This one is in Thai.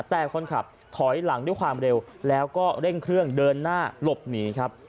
แต่คนขับถอยหลังด้วยความเร็วแล้วก็เร่งเครื่องเดินหน้าหลบหนีครับ